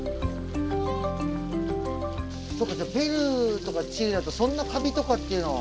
そうかペルーとかチリだとそんなカビとかっていうのは。